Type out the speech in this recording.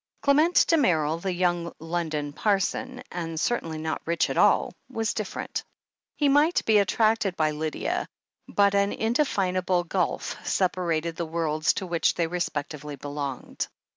Clement Damerel, the young London par son, and certainly not rich at all, was diflFerent. He might be attracted by Lydia, but an indefinable gulf 298 THE HEEL OF ACHILLES separated the worlds to which they respectively be longed.